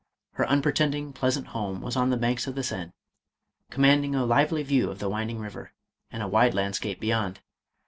Her unpretending pleasant home was on the banks of the Seine, commanding a lively view of the winding river, and a wide landscape beyond.